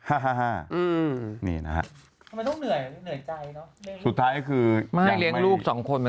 คนเดียวก็เหนื่อยแล้ว